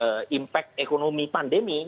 dan itu juga menyebabkan ekonomi pandemi